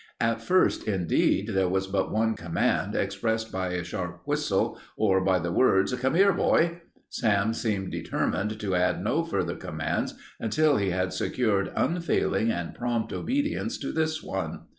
At first, indeed, there was but one command, expressed by a sharp whistle or by the words "Come here, boy!" Sam seemed determined to add no further commands until he had secured unfailing and prompt obedience to this one.